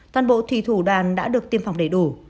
toàn bộ thủy thủ đoàn đã được tiêm phòng đầy đủ